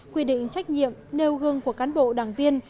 quy định trách nhiệm nêu gương của cán bộ đảng viên